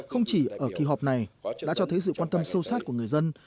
không chỉ ở kỳ họp này đã cho thấy sự quan tâm sâu sát của người dân